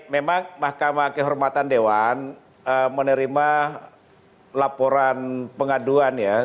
memang mahkamah kehormatan dewan menerima laporan pengaduan ya